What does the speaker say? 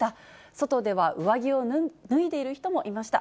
外では上着を脱いでいる人もいました。